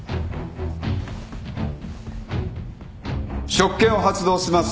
職権を発動します。